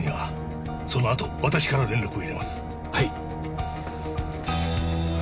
はい。